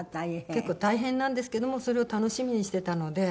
結構大変なんですけどもそれを楽しみにしてたので。